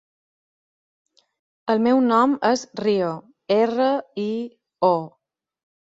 El meu nom és Rio: erra, i, o.